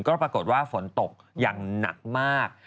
ก็ปรากฏว่าฝนตกอย่างหนักมาก